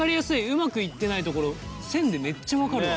うまくいってないところ線でめっちゃ分かるわ。